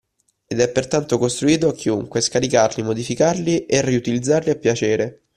Ed è pertanto consentito a chiunque scaricarli, modificarli e riutilizzarli a piacere